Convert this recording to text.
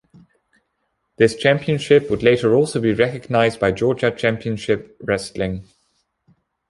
This championship would later also be recognized by Georgia Championship Wrestling.